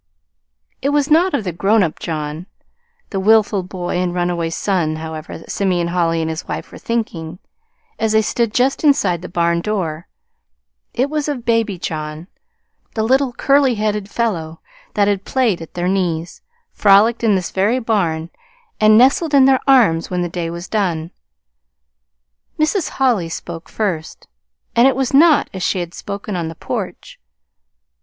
It was not of the grown up John, the willful boy and runaway son, however, that Simeon Holly and his wife were thinking, as they stood just inside the barn door; it was of Baby John, the little curly headed fellow that had played at their knees, frolicked in this very barn, and nestled in their arms when the day was done. Mrs. Holly spoke first and it was not as she had spoken on the porch.